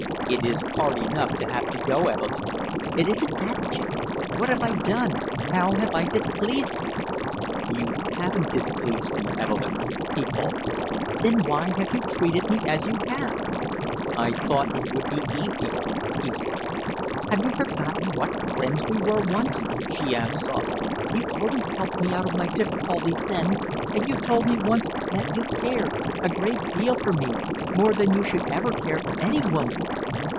"It is hard enough to have to go, Evelyn!" "It isn't that, Jack. What have I done? How have I displeased you?" "You haven't displeased me, Evelyn," he faltered. "Then why have you treated me as you have?" "I thought it would be easier," he said. "Have you forgotten what friends we were once?" she asked softly. "You always helped me out of my difficulties then, and you told me once that you cared a great deal for me, more than you should ever care for any woman!"